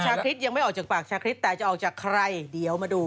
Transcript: คริสยังไม่ออกจากปากชาคริสแต่จะออกจากใครเดี๋ยวมาดู